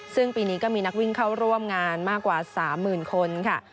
ซึ่งปีนี้ก็มีนักวิ่งเข้าร่วมงานมากกว่า๓๐๐๐คนค่ะ